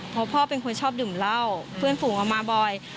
เพราะพ่อเป็นคนชอบดื่มเหล้าเพื่อนฝูงเอามาบ่อย